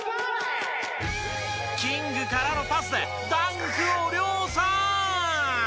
キングからのパスでダンクを量産！